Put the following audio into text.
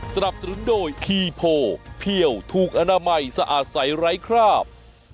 สนับสนุนโดยคีโพเพี่ยวถูกอนามัยสะอาดใสไร้คราบ